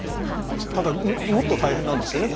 ただもっと大変なんですよね